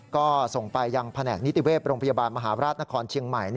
ก็ส่งไปยังแผนกนิติเวศโรงพยาบาลมหาราชนครเชียงใหม่